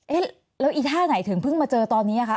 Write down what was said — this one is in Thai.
อ๋อเอ๊ะแล้วอีท่าไหนถึงเพิ่งมาเจอตอนนี้อ่ะค่ะ